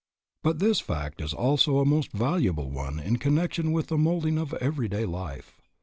But this fact is also a most valuable one in connection with the moulding of every day life.